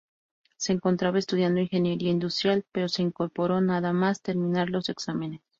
Se encontraba estudiando Ingeniería industrial, pero se incorporó nada más terminar los exámenes.